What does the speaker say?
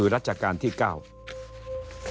เพราะฉะนั้นท่านก็ออกโรงมาว่าท่านมีแนวทางที่จะทำเรื่องนี้ยังไง